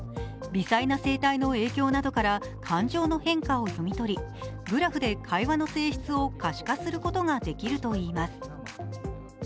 微細な声帯の影響などから感情の変化を読み取りグラフで会話の性質を可視化することができるといいます。